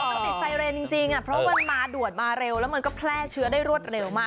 มันติดไซเรนจริงเพราะมันมาด่วนมาเร็วแล้วมันก็แพร่เชื้อได้รวดเร็วมาก